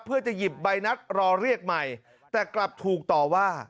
เพื่อจะหยิบใบนัดรอเรียกใหม่แต่กลับถูกต่อว่า